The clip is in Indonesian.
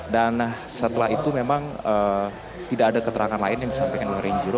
dan setelah itu memang tidak ada keterangan lain yang disampaikan oleh renjiro